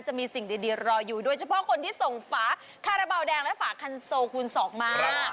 จะมีสิ่งดีรออยู่โดยเฉพาะคนที่ส่งฝาคาราบาลแดงและฝาคันโซคูณสองมา